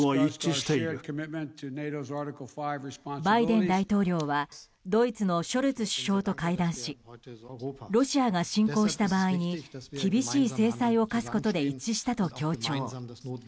バイデン大統領はドイツのショルツ首相と会談しロシアが侵攻した場合に厳しい制裁を科すことで一致したと強調。